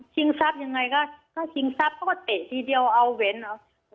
ชิงซับยังไงก็ถ้าชิงซับเขาก็เตะทีเดียวเอาเว้นอ่ะ